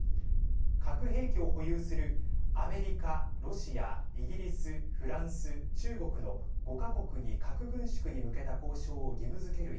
核兵器を保有するアメリカロシア、イギリス、フランス中国の５か国に核軍縮に向けた交渉を義務づける